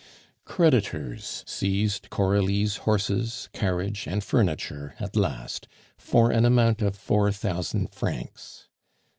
Creditors seized Coralie's horses, carriage, and furniture at last, for an amount of four thousand francs.